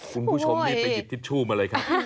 คุณผู้ชมรีบไปหยิบทิชชู่มาเลยครับ